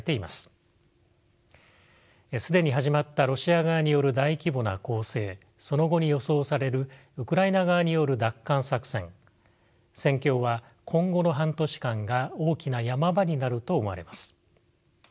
既に始まったロシア側による大規模な攻勢その後に予想されるウクライナ側による奪還作戦戦況は今後の半年間が大きな山場になると思われます。